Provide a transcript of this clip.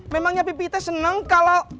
memangnya pipih teh seneng kalo